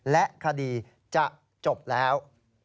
และคดีจะจบแล้ว